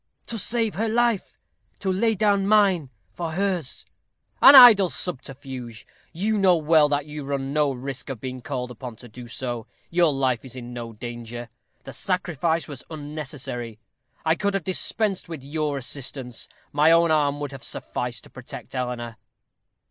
"To save her life; to lay down mine for hers." "An idle subterfuge. You know well that you run no risk of being called upon to do so. Your life is in no danger. The sacrifice was unnecessary. I could have dispensed with your assistance; my own arm would have sufficed to protect Eleanor."